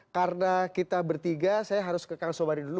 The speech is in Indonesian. karena kita bertiga saya harus ke kang sobari dulu